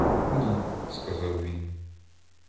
— Ні, — сказав він.